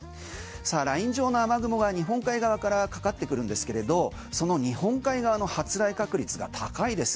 ライン状の雨雲が日本海側からかかってくるんですがその日本海側の発雷確率が高いです。